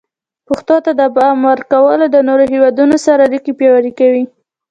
پښتو ته د پام ورکول د نورو هیوادونو سره اړیکې پیاوړي کوي.